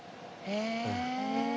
へえ。